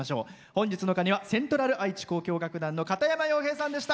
本日の鐘はセントラル愛知交響楽団の片山陽平さんでした。